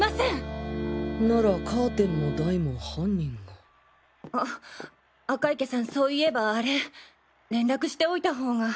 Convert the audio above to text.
ならカーテンも台も犯人があっ赤池さんそういえばあれ連絡しておいた方が。